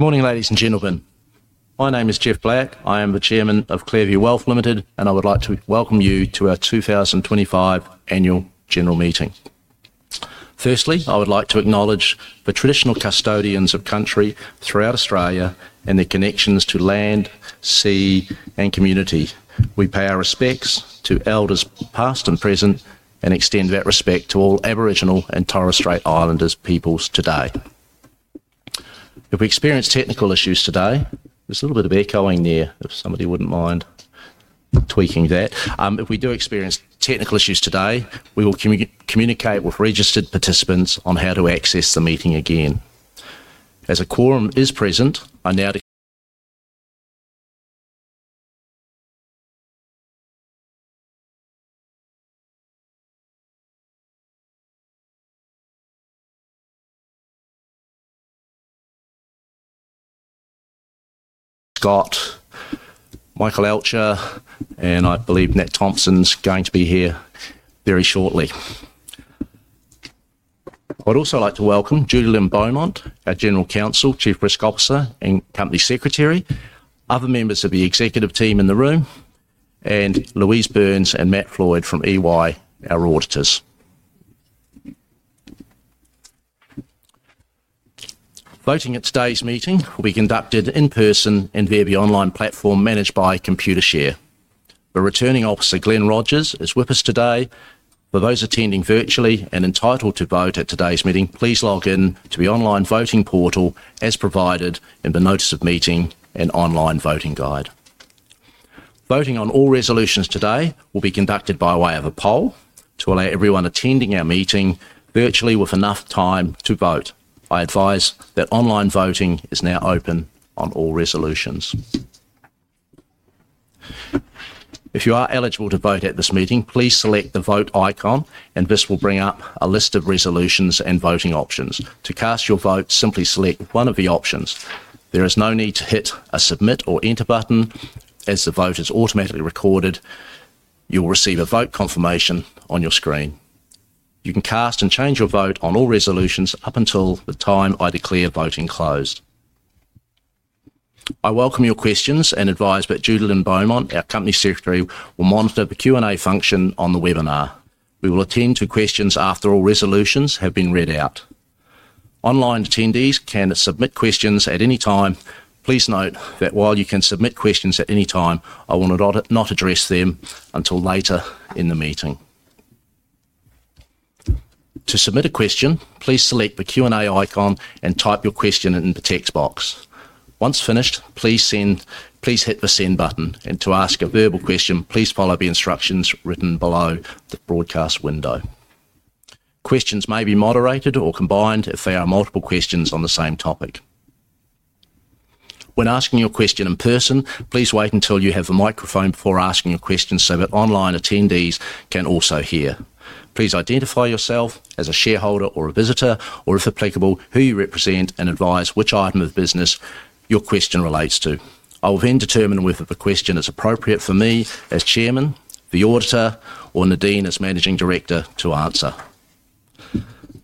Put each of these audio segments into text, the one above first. Good morning, ladies and gentlemen. My name is Geoff Black. I am the Chairman of Clearview Wealth Limited, and I would like to welcome you to our 2025 Annual General Meeting. Firstly, I would like to acknowledge the traditional custodians of country throughout Australia and their connections to land, sea, and community. We pay our respects to Elders past and present, and extend that respect to all Aboriginal and Torres Strait Islander peoples today. If we experience technical issues today—there's a little bit of echoing there, if somebody wouldn't mind tweaking that—if we do experience technical issues today, we will communicate with registered participants on how to access the meeting again. As a quorum is present, I now. Scott. Michael Alscher, and I believe Nate Thompson's going to be here very shortly. I'd also like to welcome Judilyn Beaumont, our General Counsel, Chief Risk Officer and Company Secretary, other members of the executive team in the room, and Louise Burns and Matt Floyd from EY, our auditors. Voting at today's meeting will be conducted in person and via the online platform managed by Computershare. The Returning Officer Glenn Rogers is with us today. For those attending virtually and entitled to vote at today's meeting, please log in to the online voting portal as provided in the Notice of Meeting and Online Voting Guide. Voting on all resolutions today will be conducted by way of a poll to allow everyone attending our meeting virtually with enough time to vote. I advise that online voting is now open on all resolutions. If you are eligible to vote at this meeting, please select the vote icon, and this will bring up a list of resolutions and voting options. To cast your vote, simply select one of the options. There is no need to hit a submit or enter button, as the vote is automatically recorded. You'll receive a vote confirmation on your screen. You can cast and change your vote on all resolutions up until the time I declare voting closed. I welcome your questions and advise that Judilyn Beaumont, our Company Secretary, will monitor the Q&A function on the webinar. We will attend to questions after all resolutions have been read out. Online attendees can submit questions at any time. Please note that while you can submit questions at any time, I will not address them until later in the meeting. To submit a question, please select the Q&A icon and type your question in the text box. Once finished, please hit the send button. To ask a verbal question, please follow the instructions written below the broadcast window. Questions may be moderated or combined if there are multiple questions on the same topic. When asking your question in person, please wait until you have the microphone before asking your question so that online attendees can also hear. Please identify yourself as a shareholder or a visitor, or if applicable, who you represent and advise which item of business your question relates to. I will then determine whether the question is appropriate for me as Chairman, the Auditor, or Nadine as Managing Director to answer.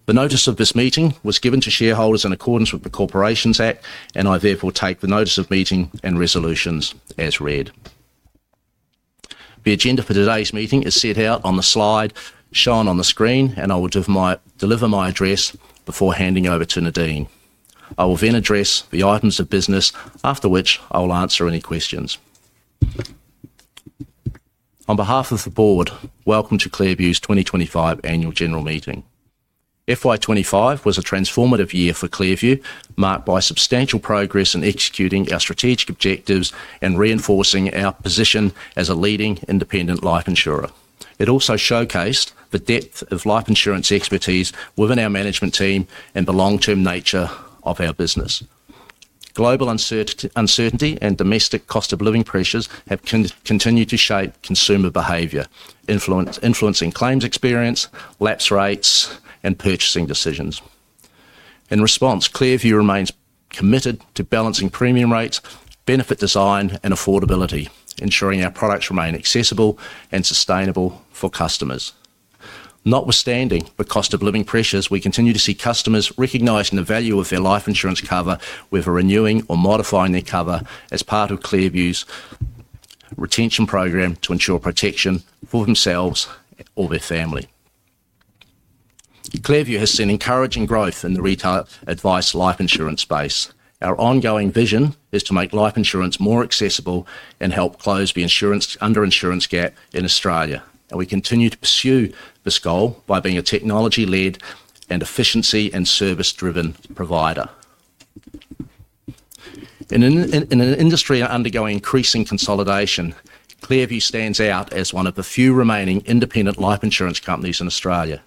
The notice of this meeting was given to shareholders in accordance with the Corporations Act, and I therefore take the notice of meeting and resolutions as read. The agenda for today's meeting is set out on the slide shown on the screen, and I will deliver my address before handing over to Nadine. I will then address the items of business, after which I will answer any questions. On behalf of the Board, welcome to Clearview's 2025 Annual General Meeting. FY 2025 was a transformative year for Clearview, marked by substantial progress in executing our strategic objectives and reinforcing our position as a leading independent life insurer. It also showcased the depth of life insurance expertise within our management team and the long-term nature of our business. Global uncertainty and domestic cost of living pressures have continued to shape consumer behavior, influencing claims experience, lapse rates, and purchasing decisions. In response, Clearview remains committed to balancing premium rates, benefit design, and affordability, ensuring our products remain accessible and sustainable for customers. Notwithstanding the cost of living pressures, we continue to see customers recognizing the value of their life insurance cover with renewing or modifying their cover as part of Clearview's retention program to ensure protection for themselves or their family. Clearview has seen encouraging growth in the retail advice life insurance space. Our ongoing vision is to make life insurance more accessible and help close the underinsurance gap in Australia. We continue to pursue this goal by being a technology-led and efficiency and service-driven provider. In an industry undergoing increasing consolidation, Clearview stands out as one of the few remaining independent life insurance companies in Australia.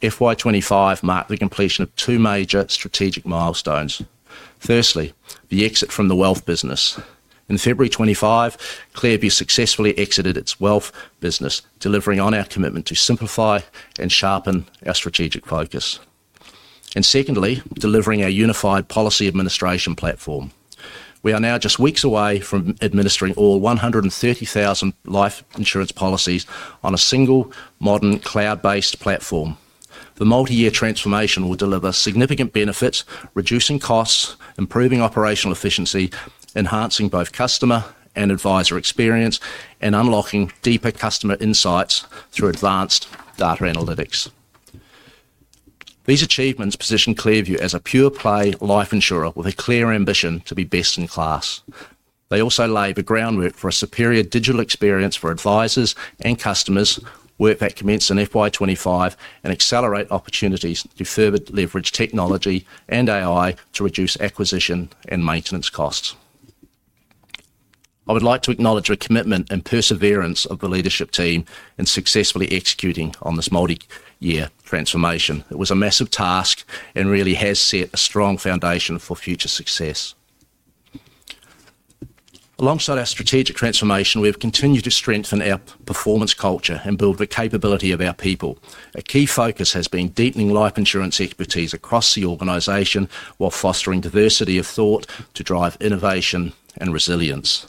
FY 2025 marked the completion of two major strategic milestones. Firstly, the exit from the wealth business. In February 2025, Clearview successfully exited its wealth business, delivering on our commitment to simplify and sharpen our strategic focus. Secondly, delivering our unified policy administration platform. We are now just weeks away from administering all 130,000 life insurance policies on a single modern cloud-based platform. The multi-year transformation will deliver significant benefits, reducing costs, improving operational efficiency, enhancing both customer and advisor experience, and unlocking deeper customer insights through advanced data analytics. These achievements position Clearview as a pure-play life insurer with a clear ambition to be best in class. They also lay the groundwork for a superior digital experience for advisors and customers, work that commences in FY 2025, and accelerate opportunities to further leverage technology and AI to reduce acquisition and maintenance costs. I would like to acknowledge the commitment and perseverance of the leadership team in successfully executing on this multi-year transformation. It was a massive task and really has set a strong foundation for future success. Alongside our strategic transformation, we have continued to strengthen our performance culture and build the capability of our people. A key focus has been deepening life insurance expertise across the organization while fostering diversity of thought to drive innovation and resilience.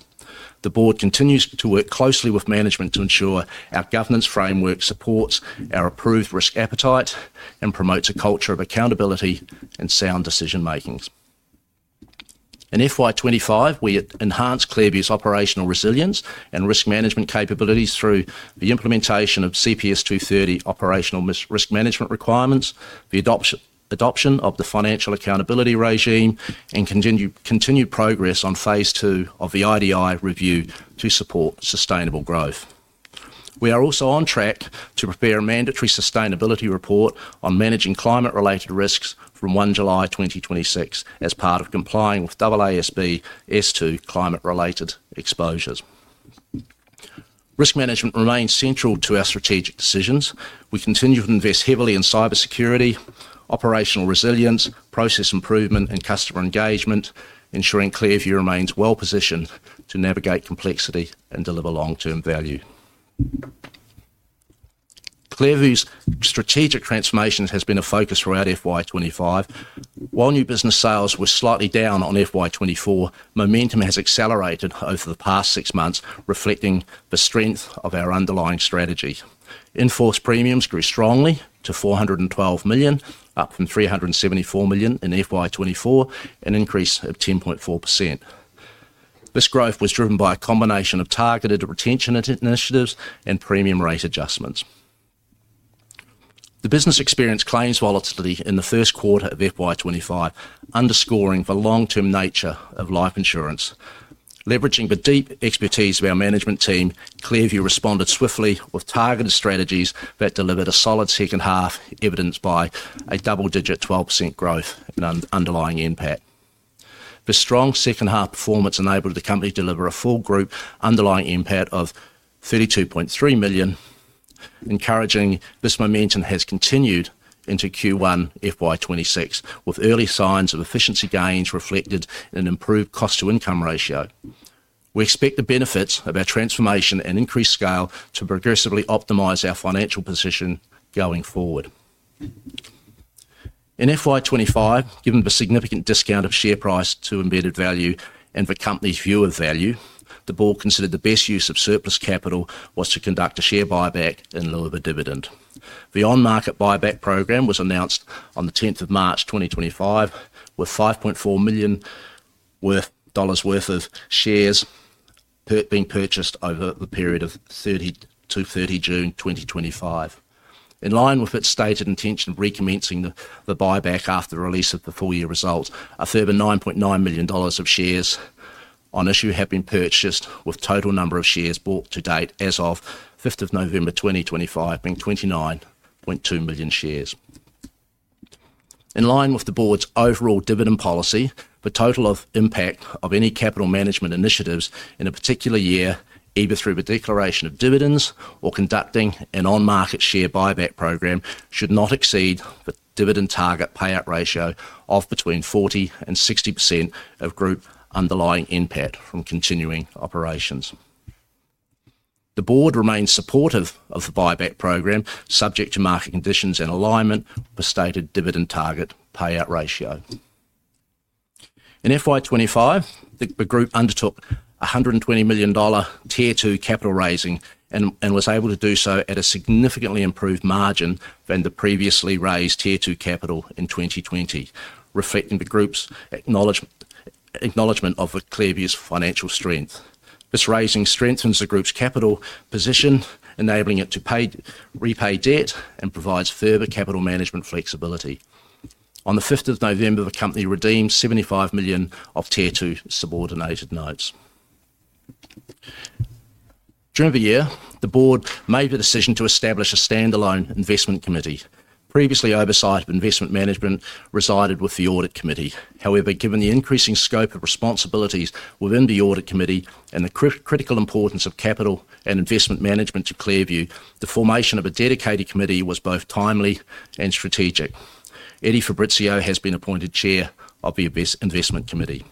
The Board continues to work closely with management to ensure our governance framework supports our approved risk appetite and promotes a culture of accountability and sound decision-making. In FY 2025, we enhanced Clearview's operational resilience and risk management capabilities through the implementation of CPS 230 operational risk management requirements, the adoption of the Financial Accountability Regime, and continued progress on phase two of the IDI review to support sustainable growth. We are also on track to prepare a mandatory sustainability report on managing climate-related risks from 1 July 2026 as part of complying with AASB's two climate-related exposures. Risk management remains central to our strategic decisions. We continue to invest heavily in cybersecurity, operational resilience, process improvement, and customer engagement, ensuring Clearview remains well-positioned to navigate complexity and deliver long-term value. Clearview's strategic transformation has been a focus throughout FY 2025. While new business sales were slightly down on FY 2024, momentum has accelerated over the past six months, reflecting the strength of our underlying strategy. Enforce premiums grew strongly to 412 million, up from 374 million in FY 2024, an increase of 10.4%. This growth was driven by a combination of targeted retention initiatives and premium rate adjustments. The business experienced claims volatility in the first quarter of FY 2025, underscoring the long-term nature of life insurance. Leveraging the deep expertise of our management team, Clearview responded swiftly with targeted strategies that delivered a solid second half, evidenced by a double-digit 12% growth in underlying impact. The strong second half performance enabled the company to deliver a full group underlying impact of 32.3 million, encouraging this momentum has continued into Q1 FY 2026, with early signs of efficiency gains reflected in an improved cost-to-income ratio. We expect the benefits of our transformation and increased scale to progressively optimize our financial position going forward. In FY 2025, given the significant discount of share price to embedded value and the company's view of value, the Board considered the best use of surplus capital was to conduct a share buyback in lieu of a dividend. The on-market buyback program was announced on the 10th of March 2025, with 5.4 million dollars worth of shares being purchased over the period of June 23rd, 2025. In line with its stated intention of recommencing the buyback after the release of the full-year results, a further 9.9 million dollars of shares on issue have been purchased, with the total number of shares bought to date as of 5th of November 2025 being 29.2 million shares. In line with the Board's overall dividend policy, the total impact of any capital management initiatives in a particular year, either through the declaration of dividends or conducting an on-market share buyback program, should not exceed the dividend target payout ratio of between 40% and 60% of group underlying impact from continuing operations. The Board remains supportive of the buyback program, subject to market conditions and alignment with the stated dividend target payout ratio. In FY 2025, the group undertook 120 million dollar tier-two capital raising and was able to do so at a significantly improved margin than the previously raised tier-two capital in 2020, reflecting the group's acknowledgment of Clearview's financial strength. This raising strengthens the group's capital position, enabling it to repay debt and provides further capital management flexibility. On the 5th of November, the company redeemed 75 million of tier-two subordinated notes. During the year, the Board made the decision to establish a standalone investment committee. Previously, oversight of investment management resided with the audit committee. However, given the increasing scope of responsibilities within the audit committee and the critical importance of capital and investment management to Clearview, the formation of a dedicated committee was both timely and strategic. Eddie Fabrizio has been appointed chair of the investment committee.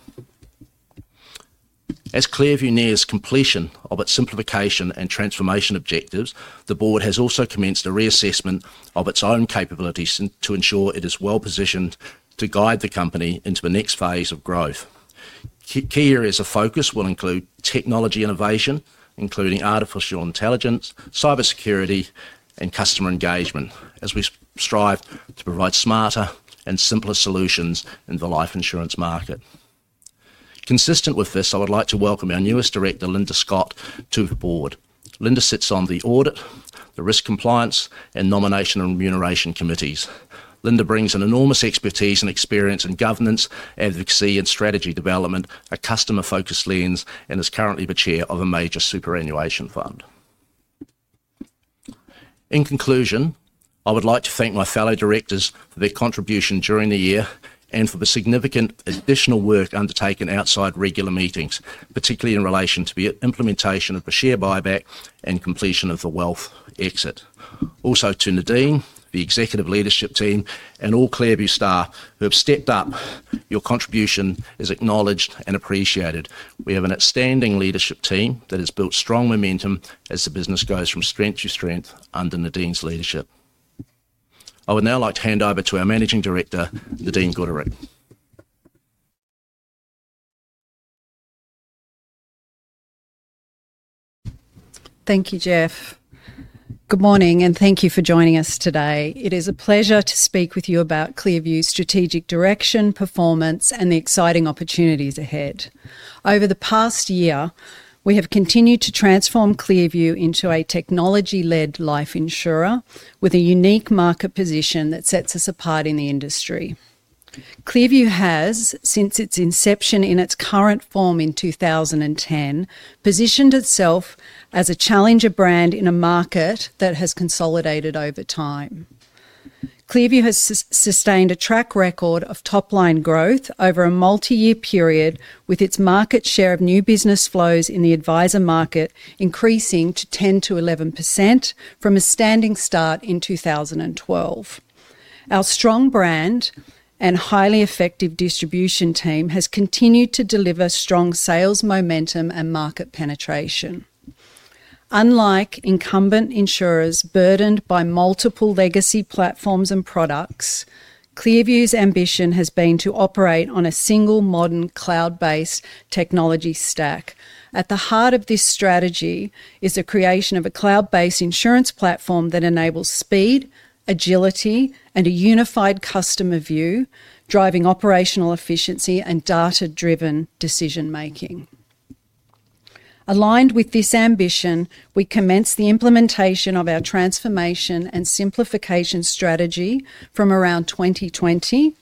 As Clearview nears completion of its simplification and transformation objectives, the Board has also commenced a reassessment of its own capabilities to ensure it is well-positioned to guide the company into the next phase of growth. Key areas of focus will include technology innovation, including artificial intelligence, cybersecurity, and customer engagement, as we strive to provide smarter and simpler solutions in the life insurance market. Consistent with this, I would like to welcome our newest director, Linda Scott, to the Board. Linda sits on the audit, the risk compliance, and nomination and remuneration committees. Linda brings an enormous expertise and experience in governance, advocacy, and strategy development, a customer-focused lens, and is currently the chair of a major superannuation fund. In conclusion, I would like to thank my fellow directors for their contribution during the year and for the significant additional work undertaken outside regular meetings, particularly in relation to the implementation of the share buyback and completion of the wealth exit. Also to Nadine, the executive leadership team, and all Clearview staff who have stepped up, your contribution is acknowledged and appreciated. We have an outstanding leadership team that has built strong momentum as the business grows from strength to strength under Nadine's leadership. I would now like to hand over to our Managing Director, Nadine Gooderick. Thank you, Geoff. Good morning, and thank you for joining us today. It is a pleasure to speak with you about Clearview's strategic direction, performance, and the exciting opportunities ahead. Over the past year, we have continued to transform Clearview into a technology-led life insurer with a unique market position that sets us apart in the industry. Clearview has, since its inception in its current form in 2010, positioned itself as a challenger brand in a market that has consolidated over time. Clearview has sustained a track record of top-line growth over a multi-year period, with its market share of new business flows in the advisor market increasing to 10-11% from a standing start in 2012. Our strong brand and highly effective distribution team have continued to deliver strong sales momentum and market penetration. Unlike incumbent insurers burdened by multiple legacy platforms and products, Clearview's ambition has been to operate on a single modern cloud-based technology stack. At the heart of this strategy is the creation of a cloud-based insurance platform that enables speed, agility, and a unified customer view, driving operational efficiency and data-driven decision-making. Aligned with this ambition, we commenced the implementation of our transformation and simplification strategy from around 2020,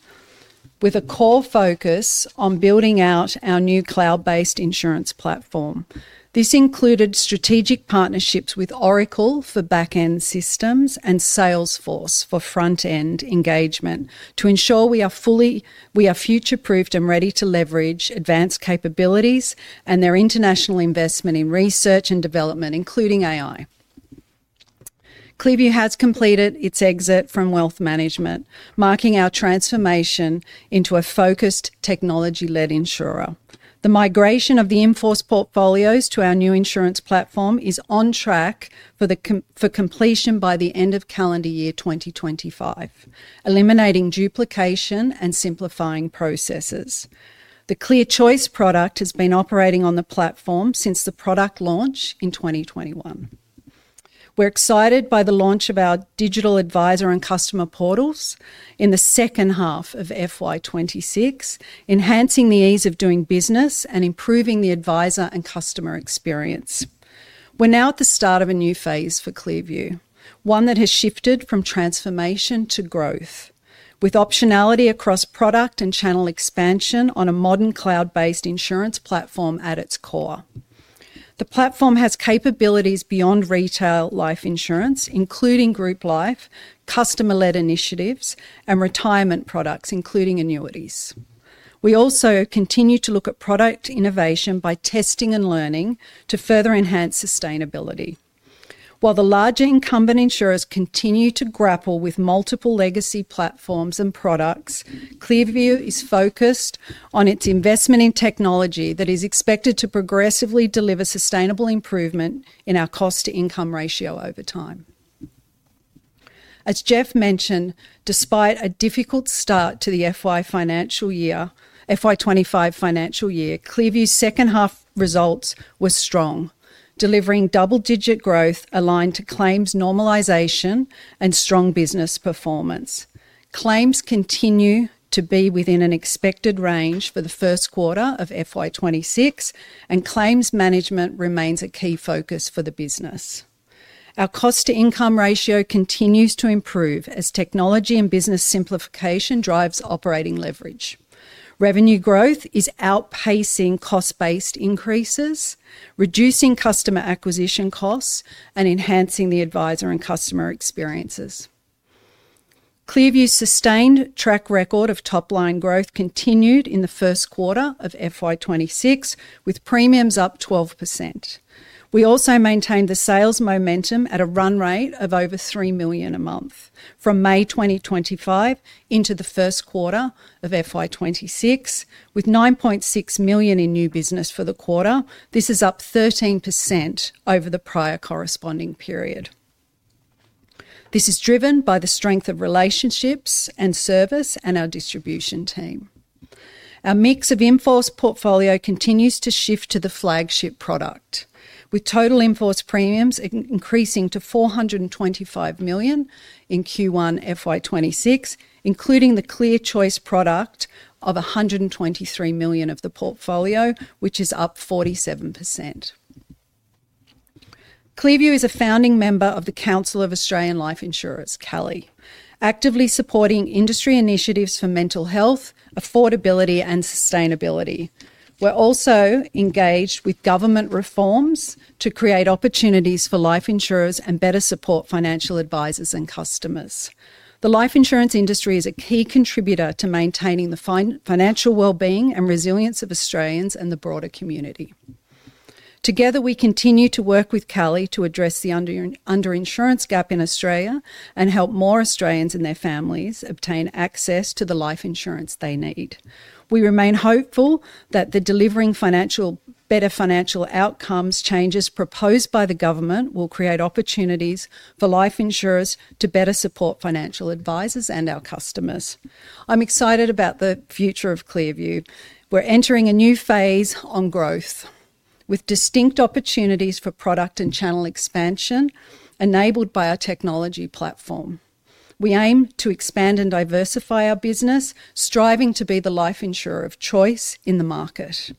with a core focus on building out our new cloud-based insurance platform. This included strategic partnerships with Oracle for back-end systems and Salesforce for front-end engagement to ensure we are future-proofed and ready to leverage advanced capabilities and their international investment in research and development, including AI. Clearview has completed its exit from wealth management, marking our transformation into a focused technology-led insurer. The migration of the Enforce portfolios to our new insurance platform is on track for completion by the end of calendar year 2025, eliminating duplication and simplifying processes. The Clear Choice product has been operating on the platform since the product launch in 2021. We're excited by the launch of our digital advisor and customer portals in the second half of FY 2026, enhancing the ease of doing business and improving the advisor and customer experience. We're now at the start of a new phase for Clearview, one that has shifted from transformation to growth, with optionality across product and channel expansion on a modern cloud-based insurance platform at its core. The platform has capabilities beyond retail life insurance, including group life, customer-led initiatives, and retirement products, including annuities. We also continue to look at product innovation by testing and learning to further enhance sustainability. While the larger incumbent insurers continue to grapple with multiple legacy platforms and products, Clearview is focused on its investment in technology that is expected to progressively deliver sustainable improvement in our cost-to-income ratio over time. As Geoff mentioned, despite a difficult start to the FY 2025 financial year, Clearview's second-half results were strong, delivering double-digit growth aligned to claims normalisation and strong business performance. Claims continue to be within an expected range for the first quarter of FY 2026, and claims management remains a key focus for the business. Our cost-to-income ratio continues to improve as technology and business simplification drives operating leverage. Revenue growth is outpacing cost-based increases, reducing customer acquisition costs, and enhancing the advisor and customer experiences. Clearview's sustained track record of top-line growth continued in the first quarter of FY 2026, with premiums up 12%. We also maintained the sales momentum at a run rate of over 3 million a month from May 2025 into the first quarter of FY26, with 9.6 million in new business for the quarter. This is up 13% over the prior corresponding period. This is driven by the strength of relationships and service and our distribution team. Our mix of Enforce portfolio continues to shift to the flagship product, with total Enforce premiums increasing to 425 million in Q1 FY26, including the Clear Choice product of 123 million of the portfolio, which is up 47%. Clearview is a founding member of the Council of Australian Life Insurers, CALI, actively supporting industry initiatives for mental health, affordability, and sustainability. We're also engaged with government reforms to create opportunities for life insurers and better support financial advisors and customers. The life insurance industry is a key contributor to maintaining the financial well-being and resilience of Australians and the broader community. Together, we continue to work with CALI to address the underinsurance gap in Australia and help more Australians and their families obtain access to the life insurance they need. We remain hopeful that the delivering better financial outcomes changes proposed by the government will create opportunities for life insurers to better support financial advisors and our customers. I'm excited about the future of Clearview. We're entering a new phase on growth, with distinct opportunities for product and channel expansion enabled by our technology platform. We aim to expand and diversify our business, striving to be the life insurer of choice in the market.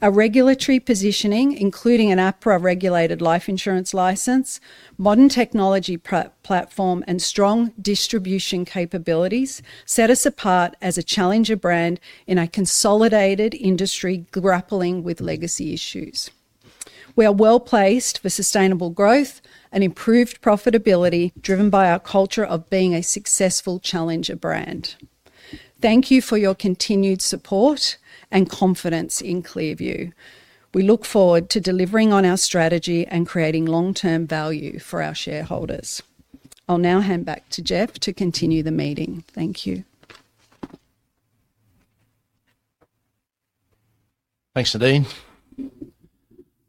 Our regulatory positioning, including an APRA-regulated life insurance license, modern technology platform, and strong distribution capabilities set us apart as a challenger brand in a consolidated industry grappling with legacy issues. We are well-placed for sustainable growth and improved profitability driven by our culture of being a successful challenger brand. Thank you for your continued support and confidence in Clearview. We look forward to delivering on our strategy and creating long-term value for our shareholders. I'll now hand back to Geoff to continue the meeting. Thank you. Thanks, Nadine.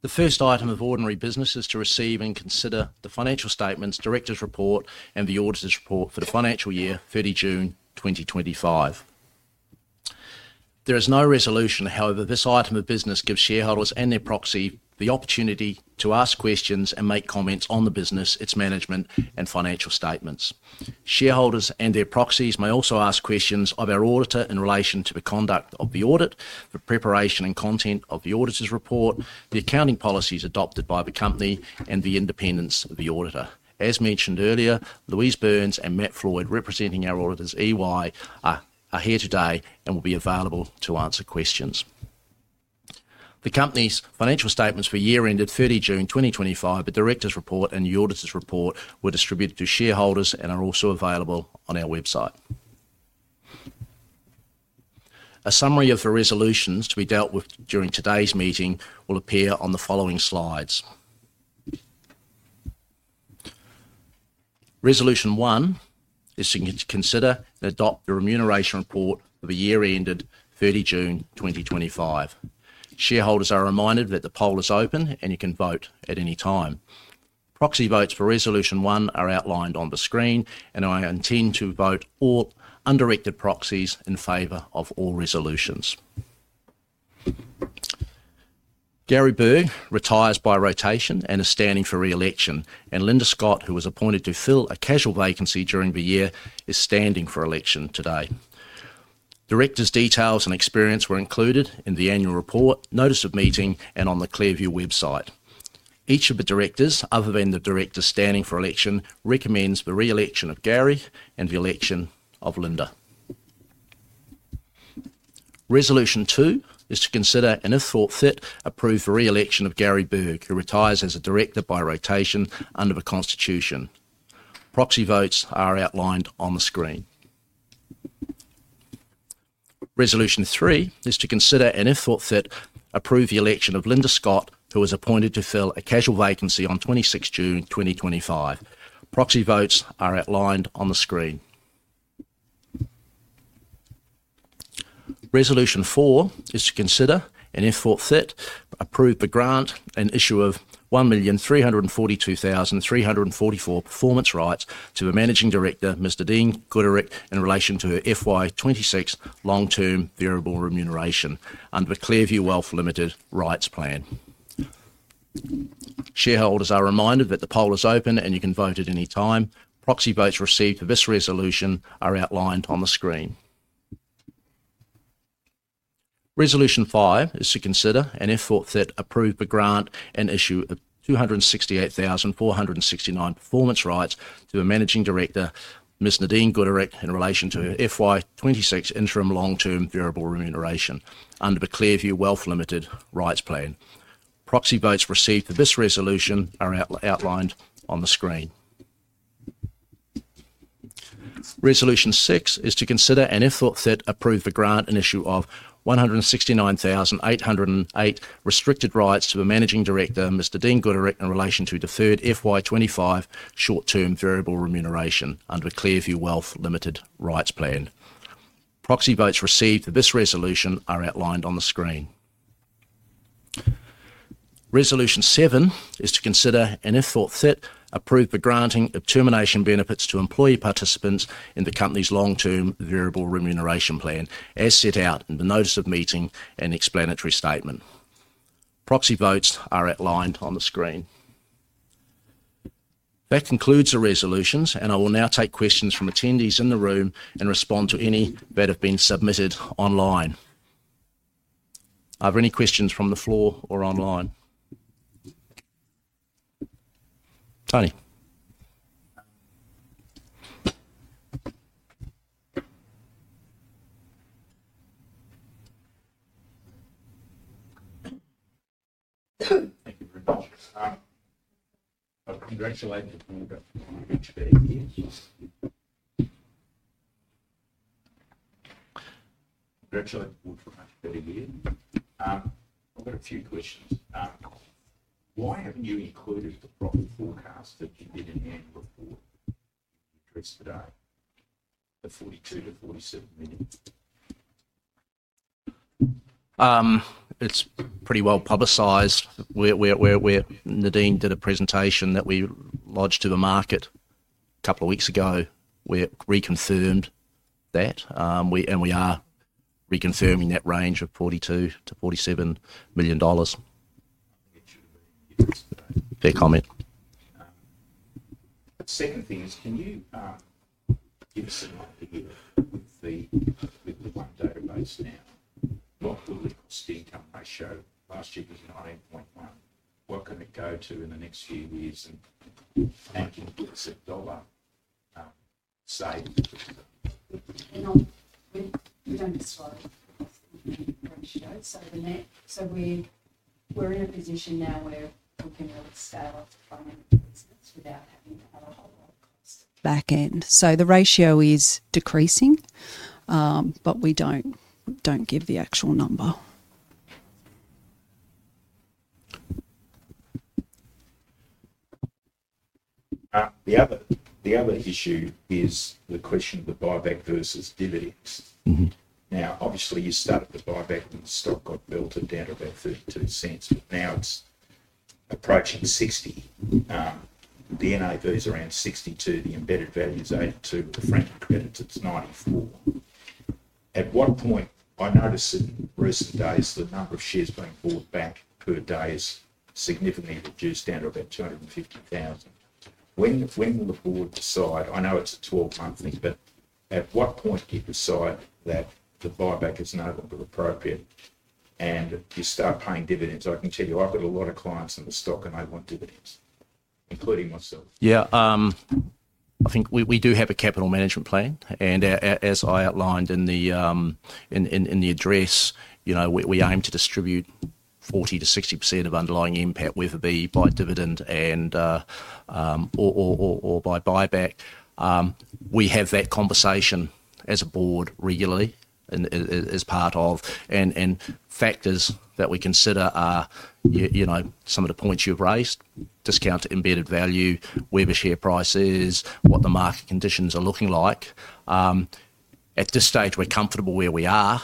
The first item of ordinary business is to receive and consider the financial statements, director's report, and the auditor's report for the financial year, 30 June 2025. There is no resolution; however, this item of business gives shareholders and their proxy the opportunity to ask questions and make comments on the business, its management, and financial statements. Shareholders and their proxies may also ask questions of our auditor in relation to the conduct of the audit, the preparation and content of the auditor's report, the accounting policies adopted by the company, and the independence of the auditor. As mentioned earlier, Louise Burns and Matt Floyd, representing our auditors, EY, are here today and will be available to answer questions. The company's financial statements for year-end at 30 June 2025, the director's report, and the auditor's report were distributed to shareholders and are also available on our website. A summary of the resolutions to be dealt with during today's meeting will appear on the following slides. Resolution one is to consider and adopt the remuneration report for the year-end at 30 June 2025. Shareholders are reminded that the poll is open and you can vote at any time. Proxy votes for Resolution one are outlined on the screen, and I intend to vote all undirected proxies in favor of all resolutions. Gary Berg retires by rotation and is standing for re-election. Linda Scott, who was appointed to fill a casual vacancy during the year, is standing for election today. Directors' details and experience were included in the annual report, notice of meeting, and on the Clearview website. Each of the directors, other than the director standing for election, recommends the re-election of Gary and the election of Linda. Resolution two is to consider an if-thought-fit approved re-election of Gary Berg, who retires as a director by rotation under the constitution. Proxy votes are outlined on the screen. Resolution three is to consider an if-thought-fit approved election of Linda Scott, who was appointed to fill a casual vacancy on 26 June 2025. Proxy votes are outlined on the screen. Resolution four is to consider an if-thought-fit approved grant, an issue of 1,342,344 performance rights to the Managing Director, Ms. Nadine Gooderick, in relation to her FY 2026 long-term variable remuneration under the Clearview Wealth Limited Rights Plan. Shareholders are reminded that the poll is open and you can vote at any time. Proxy votes received for this resolution are outlined on the screen. Resolution five is to consider an if-thought-fit approved grant, an issue of 268,469 performance rights to the Managing Director, Ms. Nadine Gooderick, in relation to her FY 2026 interim long-term variable remuneration under the Clearview Wealth Limited Rights Plan. Proxy votes received for this resolution are outlined on the screen. Resolution six is to consider an if-thought-fit approved grant, an issue of 169,808 restricted rights to the Managing Director, Ms. Nadine Gooderick, in relation to the third FY 2025 short-term variable remuneration under the Clearview Wealth Limited Rights Plan. Proxy votes received for this resolution are outlined on the screen. Resolution seven is to consider an if-thought-fit approved granting of termination benefits to employee participants in the company's long-term variable remuneration plan, as set out in the notice of meeting and explanatory statement. Proxy votes are outlined on the screen. That concludes the resolutions, and I will now take questions from attendees in the room and respond to any that have been submitted online. Are there any questions from the floor or online? Tony. Thank you very much. Congratulations on your 30 years. I've got a few questions. Why haven't you included the profit forecast that you did in the annual report? You addressed today. The 42-47 million. It's pretty well publicised. Nadine did a presentation that we lodged to the market a couple of weeks ago. We reconfirmed that, and we are reconfirming that range of 42 million-47 million dollars. I think it should have been fair comment. The second thing is, can you give us an idea with the one database now? What will the cost-income ratio last year was 19.1? What can it go to in the next few years? How can you get a dollar saved? We do not disclose the cost-income ratio. We are in a position now where we can really scale up the funding for business without having to have a whole lot of cost back end. The ratio is decreasing, but we do not give the actual number. The other issue is the question of the buyback versus dividends. Now, obviously, you started the buyback and the stock got belted down about 0.32, but now it's approaching 0.60. The NAV is around 0.62. The embedded value is 0.82. With the French credits, it's 0.94. At what point? I noticed in recent days the number of shares being bought back per day has significantly reduced down to about 250,000. When will the board decide? I know it's a 12-month thing, but at what point do you decide that the buyback is no longer appropriate and you start paying dividends? I can tell you I've got a lot of clients in the stock and I want dividends, including myself. Yeah. I think we do have a capital management plan. And as I outlined in the address, we aim to distribute 40%-60% of underlying impact, whether it be by dividend or by buyback. We have that conversation as a board regularly as part of. Factors that we consider are some of the points you've raised: discount to embedded value, where the share price is, what the market conditions are looking like. At this stage, we're comfortable where we are.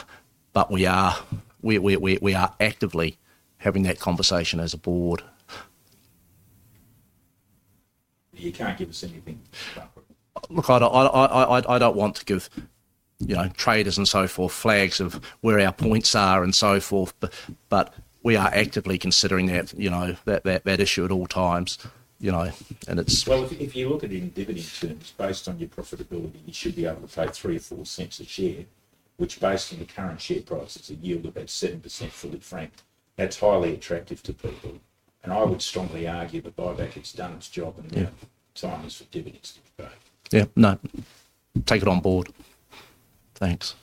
We are actively having that conversation as a board. You can't give us anything. Look, I don't want to give traders and so forth flags of where our points are and so forth, but we are actively considering that issue at all times. If you look at it in dividend terms, based on your profitability, you should be able to pay three or four cents a share, which, based on the current share price, is a yield of about 7% fully franked. That's highly attractive to people. I would strongly argue that buyback has done its job and now time is for dividends to be paid. Yeah. No. Take it on board. Thanks.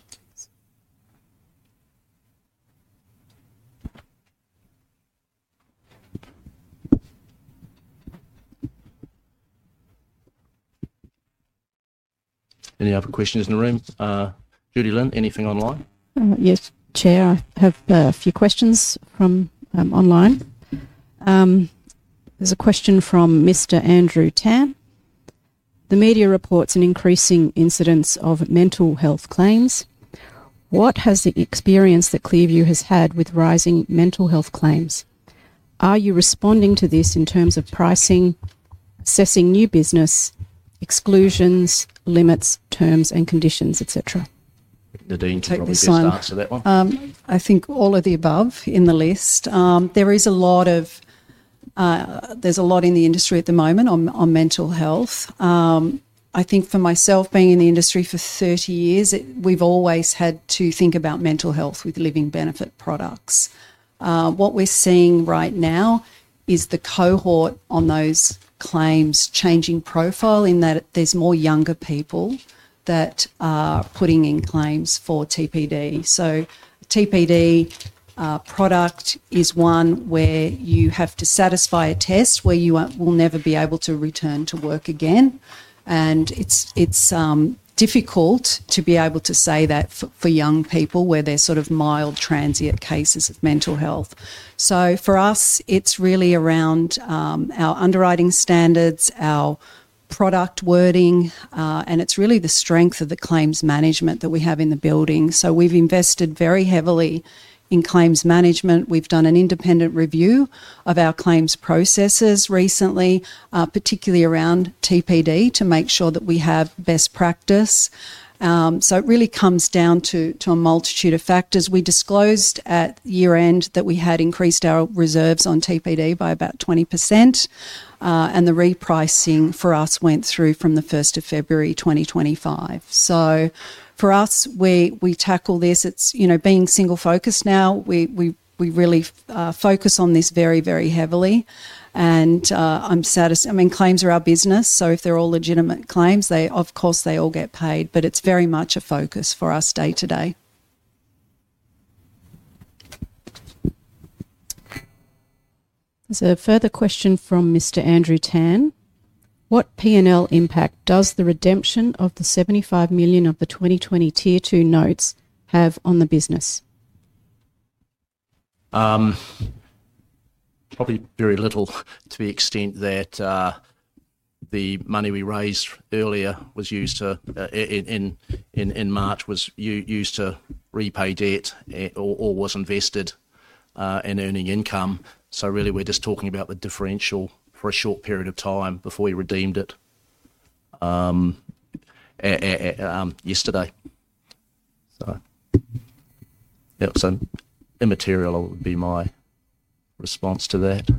Any other questions in the room? Judilyn, anything online? Yes, Chair. I have a few questions from online. There is a question from Mr. Andrew Tan. The media reports an increasing incidence of mental health claims. What has the experience that Clearview has had with rising mental health claims? Are you responding to this in terms of pricing, assessing new business, exclusions, limits, terms, and conditions, etc.? Nadine, do you want to answer that one? I think all of the above in the list. There is a lot in the industry at the moment on mental health. I think for myself, being in the industry for 30 years, we've always had to think about mental health with living benefit products. What we're seeing right now is the cohort on those claims changing profile in that there's more younger people that are putting in claims for TPD. TPD product is one where you have to satisfy a test where you will never be able to return to work again. It's difficult to be able to say that for young people where they're sort of mild transient cases of mental health. For us, it's really around our underwriting standards, our product wording, and it's really the strength of the claims management that we have in the building. We've invested very heavily in claims management. We've done an independent review of our claims processes recently, particularly around TPD, to make sure that we have best practice. It really comes down to a multitude of factors. We disclosed at year-end that we had increased our reserves on TPD by about 20%. The repricing for us went through from the 1st of February 2025. For us, we tackle this. Being single-focused now, we really focus on this very, very heavily. I mean, claims are our business. If they are all legitimate claims, of course, they all get paid. It is very much a focus for us day to day. There is a further question from Mr. Andrew Tan. What P&L impact does the redemption of the 75 million of the 2020 Tier 2 notes have on the business? Probably very little to the extent that the money we raised earlier was used to, in March, was used to repay debt or was invested in earning income. Really, we're just talking about the differential for a short period of time before we redeemed it yesterday. Immaterial would be my response to that.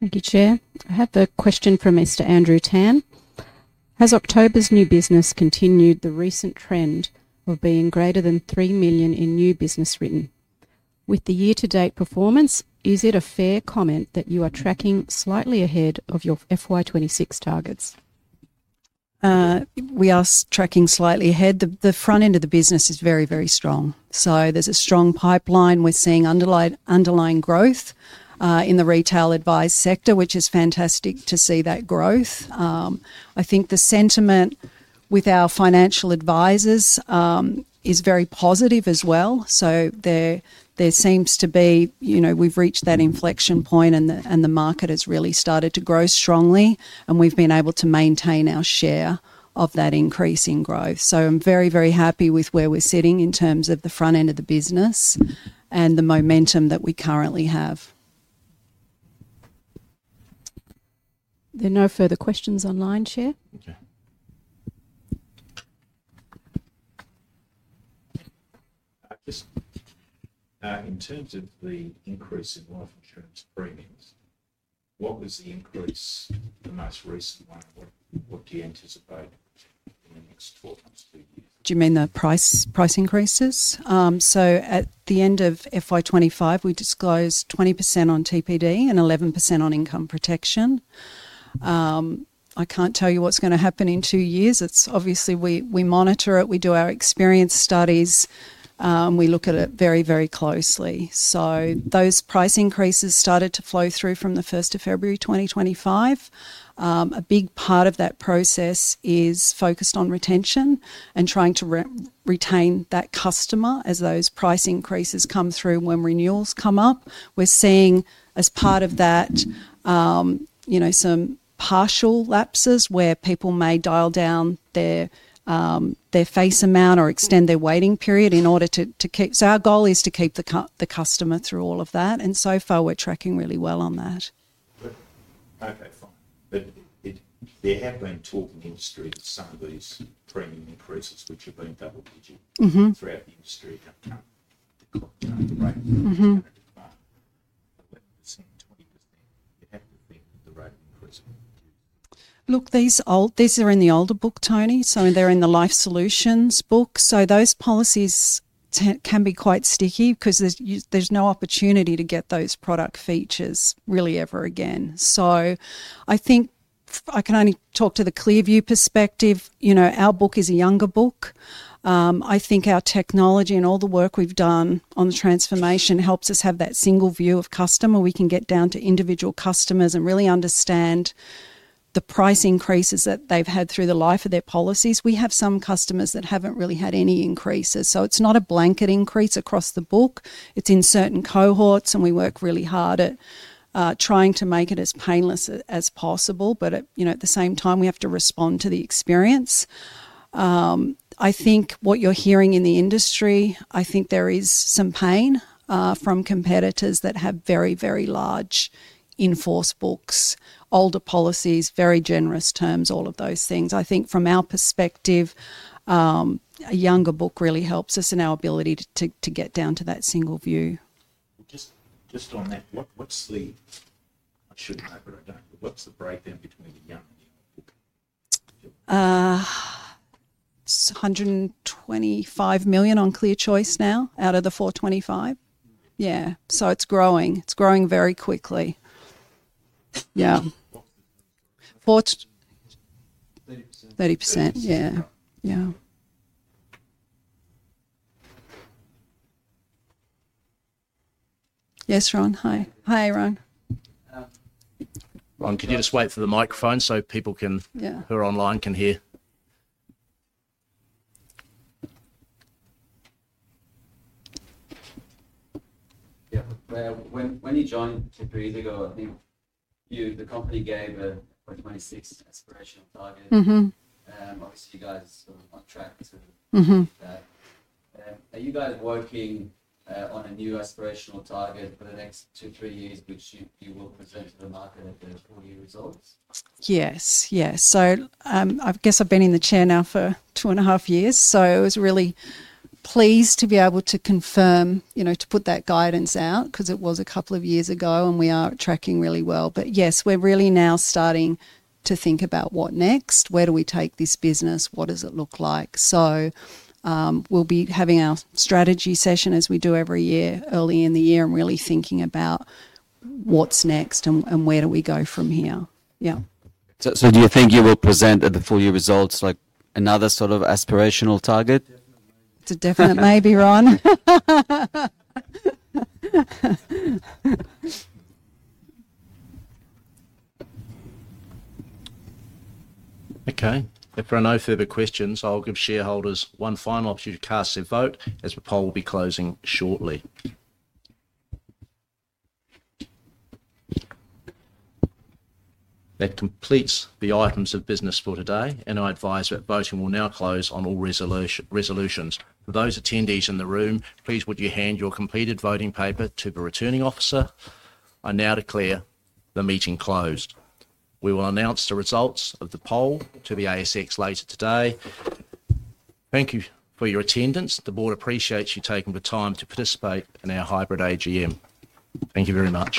Thank you, Chair. I have a question from Mr. Andrew Tan. Has October's new business continued the recent trend of being greater than 3 million in new business written? With the year-to-date performance, is it a fair comment that you are tracking slightly ahead of your FY26 targets? We are tracking slightly ahead. The front end of the business is very, very strong. There is a strong pipeline. We are seeing underlying growth in the retail advised sector, which is fantastic to see that growth. I think the sentiment with our financial advisors is very positive as well. There seems to be we've reached that inflection point, and the market has really started to grow strongly, and we've been able to maintain our share of that increase in growth. I'm very, very happy with where we're sitting in terms of the front end of the business. The momentum that we currently have. There are no further questions online, Chair. Okay. Just in terms of the increase in life insurance premiums, what was the increase, the most recent one? What do you anticipate in the next 12 months, two years? Do you mean the price increases? At the end of FY 2025, we disclosed 20% on TPD and 11% on income protection. I can't tell you what's going to happen in two years. Obviously, we monitor it. We do our experience studies. We look at it very, very closely. Those price increases started to flow through from the 1st of February 2025. A big part of that process is focused on retention and trying to retain that customer as those price increases come through when renewals come up. We're seeing, as part of that, some partial lapses where people may dial down their face amount or extend their waiting period in order to keep. Our goal is to keep the customer through all of that. So far, we're tracking really well on that. Okay. Fine. There has been talk in the industry that some of these premium increases, which have been double-digit throughout the industry, have come to the rate of 11%, 20%. You have to think that the rate of increase will reduce. Look, these are in the older book, Tony. They're in the Life Solutions book. Those policies can be quite sticky because there is no opportunity to get those product features really ever again. I think I can only talk to the Clearview perspective. Our book is a younger book. I think our technology and all the work we have done on the transformation helps us have that single view of customer. We can get down to individual customers and really understand the price increases that they have had through the life of their policies. We have some customers that have not really had any increases. It is not a blanket increase across the book. It is in certain cohorts, and we work really hard at trying to make it as painless as possible. At the same time, we have to respond to the experience. I think what you are hearing in the industry, there is some pain from competitors that have very, very large. Enforce books, older policies, very generous terms, all of those things. I think from our perspective, a younger book really helps us in our ability to get down to that single view. Just on that, what is the—I should know, but I do not know—what is the breakdown between the young and the old book? It is 125 million on Clear Choice now out of the 425 million. Yeah. So it is growing. It is growing very quickly. Yeah. 30%. 30%. Yeah. Yes, Ron. Hi. Hi, Ron. Ron, could you just wait for the microphone so people who are online can hear? Yeah. When you joined two years ago, I think the company gave a 2026 aspirational target. Obviously, you guys are on track to meet that. Are you guys working on a new aspirational target for the next two, three years, which you will present to the market at the four-year results? Yes. Yes. So I guess I've been in the chair now for two and a half years. I was really pleased to be able to confirm, to put that guidance out because it was a couple of years ago, and we are tracking really well. Yes, we're really now starting to think about what next. Where do we take this business? What does it look like? We'll be having our strategy session, as we do every year, early in the year, and really thinking about what's next and where do we go from here. Yeah. Do you think you will present at the four-year results another sort of aspirational target? It's a definite maybe, Ron. Okay. If there are no further questions, I'll give shareholders one final opportunity to cast their vote as the poll will be closing shortly. That completes the items of business for today. I advise that voting will now close on all resolutions. For those attendees in the room, please would you hand your completed voting paper to the returning officer. I now declare the meeting closed. We will announce the results of the poll to the ASX later today. Thank you for your attendance. The board appreciates you taking the time to participate in our hybrid AGM. Thank you very much.